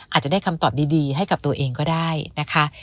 อาจจะได้คำตอบดีให้กับตัวเองก็ได้นะคะ